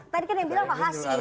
tadi kan yang bilang pak hasim